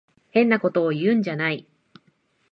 変なことを言うんじゃない。